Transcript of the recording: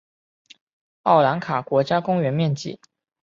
奥兰卡国家公园面积。